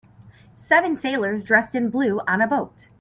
Seven sailors dressed in blue on a boat.